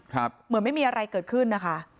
เหมือนไม่มีอะไรเกิดขึ้นนะคะ